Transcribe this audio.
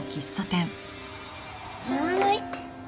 はい。